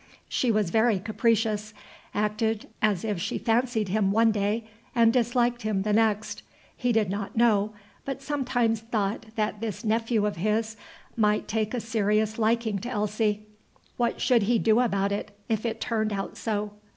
She was very capricious, acted as if she fancied him one day and disliked him the next. He did not know, but sometimes thought that this nephew of his might take a serious liking to Elsie. What should he do about it, if it turned out so?